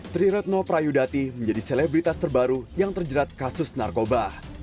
triretno prayudati menjadi selebritas terbaru yang terjerat kasus narkoba